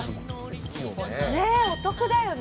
お得だよね。